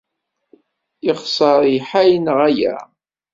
Yexṣer lḥal, neɣ ala?